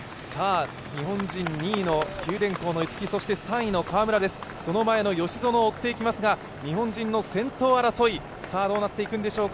日本人２位の九電工の逸木、そして３位の川村です、その前の吉薗を追っていきますが日本人の先頭争いどうなっていくんでしょうか。